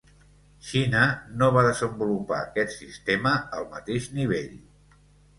Xina no va desenvolupar aquest sistema al mateix nivell.